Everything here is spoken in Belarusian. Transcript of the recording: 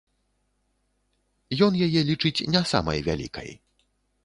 Ён яе лічыць не самай вялікай.